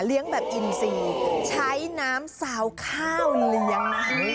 เลี้ยงแบบอินซีใช้น้ำซาวข้าวเลี้ยง